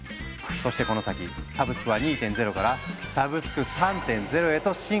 そしてこの先サブスクは「２．０」から「サブスク３．０」へと進化しようとしている！